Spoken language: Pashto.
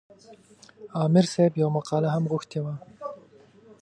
عامر صاحب یوه مقاله هم غوښتې وه.